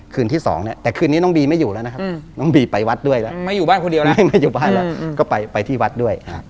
ที่สองเนี่ยแต่คืนนี้น้องบีไม่อยู่แล้วนะครับน้องบีไปวัดด้วยแล้วไม่อยู่บ้านคนเดียวนะไม่อยู่บ้านแล้วก็ไปที่วัดด้วย